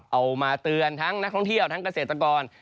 เอามาเตือนทั้งนักท่องเที่ยวทั้งเกษตรกร